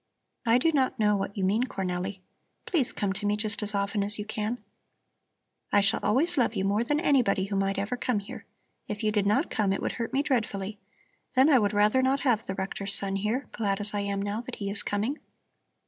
"I do not know what you mean, Cornelli. Please come to me just as often as you can. I shall always love you more than anybody who might ever come here. If you did not come, it would hurt me dreadfully. Then I would rather not have the rector's son here, glad as I am now that he is coming."